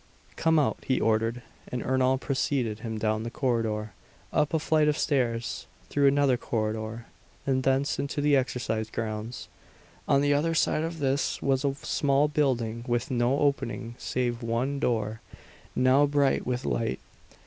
"Come out," he ordered; and Ernol preceded him down the corridor, up a flight of stairs, through another corridor and thence into the exercise grounds. On the other side of this was a small building, with no opening save one door, now bright with light.